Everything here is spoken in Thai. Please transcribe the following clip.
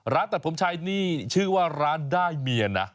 ตัดผมชัยนี่ชื่อว่าร้านได้เมียนะ